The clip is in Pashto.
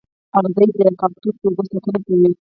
اغزي د کاکتوس د اوبو ساتنه کوي